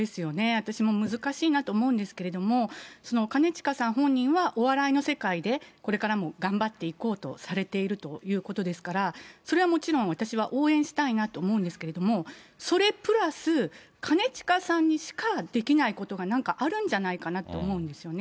私も難しいなと思うんですけれども、兼近さん本人は、お笑いの世界で、これからも頑張っていこうとされているということですから、それはもちろん私は応援したいなと思うんですけれども、それプラス、兼近さんにしかできないことがなんかあるんじゃないかなと思うんですよね。